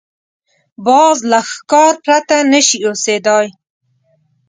باز له ښکار پرته نه شي اوسېدای